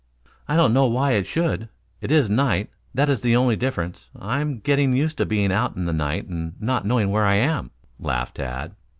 "I don't know why it should. It is night, that is the only difference. I am getting used to being out in the night and not knowing where I am," laughed Tad.